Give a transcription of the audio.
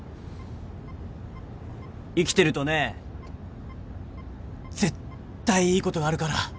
生きてるとね絶対いいことがあるから。